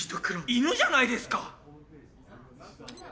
犬じゃないですか！